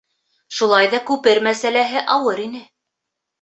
Шулай ҙа күпер мәсьәләһе ауыр ине.